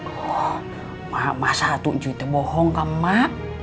oh mak masa tuh cuy tuh bohong ke mak